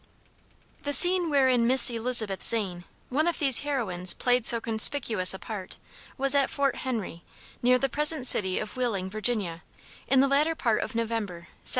] The scene wherein Miss Elizabeth Zane, one of these heroines, played so conspicuous a part, was at Fort Henry, near the present city of Wheeling, Virginia, in the latter part of November, 1782.